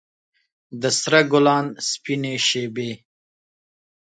د سره ګلاب سپینې شبۍ